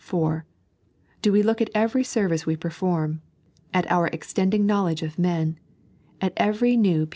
(4) Do we look at every service we perform — at our extending knowledge of men, at every new piece of 3.